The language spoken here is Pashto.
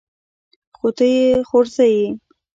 خو ته يې خورزه يې.